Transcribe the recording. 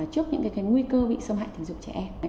trước những nguy cơ bị xâm hại tình dục trẻ em